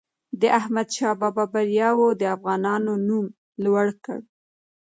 د احمدشاه بابا بریاوو د افغانانو نوم لوړ کړ.